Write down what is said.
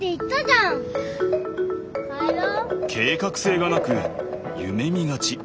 計画性がなく夢見がち。